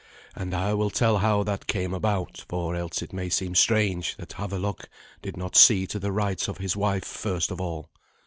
And I will tell how that came about, for else it may seem strange that Havelok did not see to the rights of his wife first of all.